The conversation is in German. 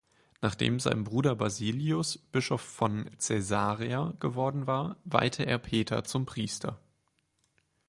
Nachdem sein Bruder Basilius Bischof von Caesarea geworden war, weihte er Peter zum Priester.